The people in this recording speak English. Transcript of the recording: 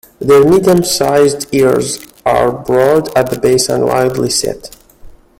Their medium-sized ears are broad at the base and widely set.